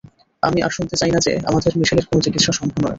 আমি আর শুনতে চাই না যে আমাদের মিশেলের কোন চিকিৎসা সম্ভব নয়।